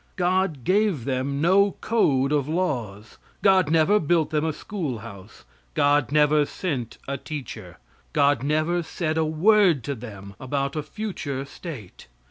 God gave them no code of laws. God never built them a schoolhouse. God never sent a teacher. God never said a word to them about a future state.